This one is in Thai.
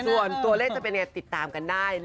ส่วนตัวเลขจะเป็นยังไงติดตามกันได้